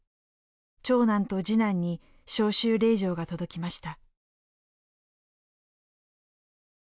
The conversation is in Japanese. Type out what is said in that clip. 長男と次男に召集令状が届きました。